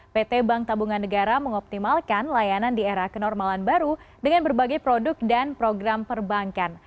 pt bank tabungan negara mengoptimalkan layanan di era kenormalan baru dengan berbagai produk dan program perbankan